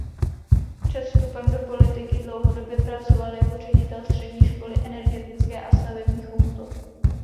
Před vstupem do politiky dlouhodobě pracoval jako ředitel Střední školy energetické a stavební Chomutov.